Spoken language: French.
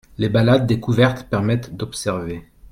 Les balades découvertes permettent d’observer.